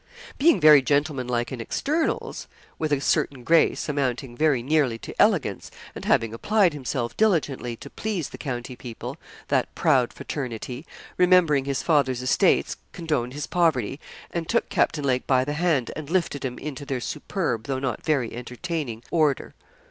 Being very gentlemanlike in externals, with a certain grace, amounting very nearly to elegance, and having applied himself diligently to please the county people, that proud fraternity, remembering his father's estates, condoned his poverty, and took Captain Lake by the hand, and lifted him into their superb, though not very entertaining order.